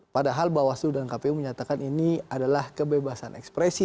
padahal bawaslu dan kpu menyatakan ini adalah kebebasan ekspresi